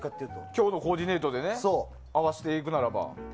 今日のコーディネートで合わせていくならば。